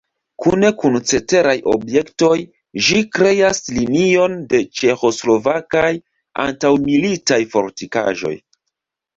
Kune kun ceteraj objektoj ĝi kreas linion de ĉeĥoslovakaj antaŭmilitaj fortikaĵoj.